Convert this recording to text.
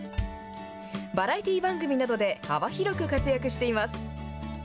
バラエティ番組などで幅広く活躍しています。